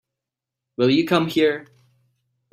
Will you come here?